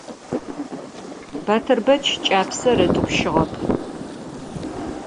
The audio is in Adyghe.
Батырбэч кӀапсэр ытӀупщыгъэп.